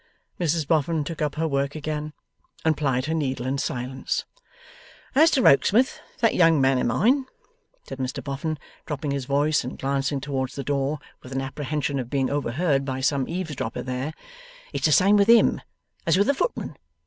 Mrs Boffin took up her work again, and plied her needle in silence. 'As to Rokesmith, that young man of mine,' said Mr Boffin, dropping his voice and glancing towards the door with an apprehension of being overheard by some eavesdropper there, 'it's the same with him as with the footmen.